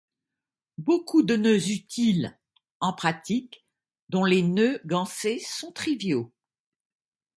Beaucoup de nœuds utiles en pratique, dont les nœuds gansés, sont triviaux.